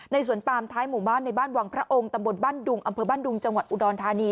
สวนปามท้ายหมู่บ้านในบ้านวังพระองค์ตำบลบ้านดุงอำเภอบ้านดุงจังหวัดอุดรธานี